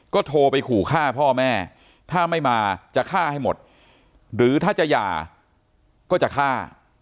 ก็โทรไปขู่ฆ่าพ่อแม่ถ้าไม่มาจะฆ่าให้หมดหรือถ้าจะหย่าก็จะฆ่า